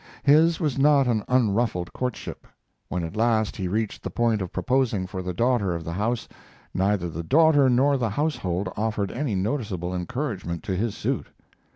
His was not an unruffled courtship. When at last he reached the point of proposing for the daughter of the house, neither the daughter nor the household offered any noticeable encouragement to his suit.